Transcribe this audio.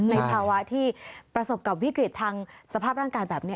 ในภาวะที่ประสบกับวิกฤตทางสภาพร่างกายแบบนี้